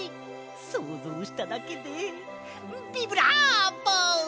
そうぞうしただけでビブラーボ！